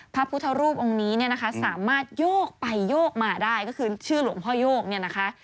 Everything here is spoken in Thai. พระพุทธรูปองค์นี้สามารถโยกไปโยกมาได้ก็คือชื่อหลวงพ่อยกนะคะ